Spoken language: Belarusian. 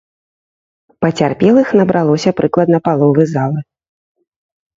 Пацярпелых набралося прыкладна паловы залы.